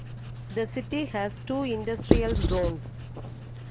The city has two industrial zones.